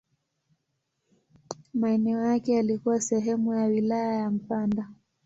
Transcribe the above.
Maeneo yake yalikuwa sehemu ya wilaya ya Mpanda.